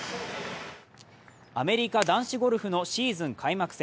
アメリカ男子ゴルフのシーズン開幕戦。